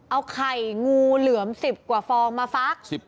เอาไข่งูเหลือม๑๐กว่าฟองมาฟัก